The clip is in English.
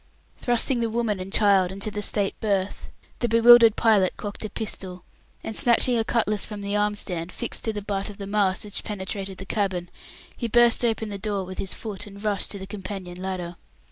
Thrusting the woman and child into the state berth, the bewildered pilot cocked a pistol, and snatching a cutlass from the arm stand fixed to the butt of the mast which penetrated the cabin, he burst open the door with his foot, and rushed to the companion ladder.